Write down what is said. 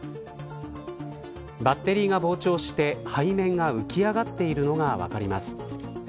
バッテリーが膨張して背面が浮き上がっているのが分かります。